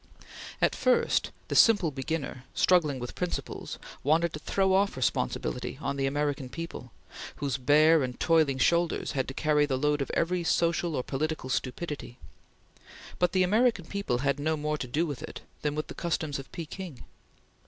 At first, the simple beginner, struggling with principles, wanted to throw off responsibility on the American people, whose bare and toiling shoulders had to carry the load of every social or political stupidity; but the American people had no more to do with it than with the customs of Peking.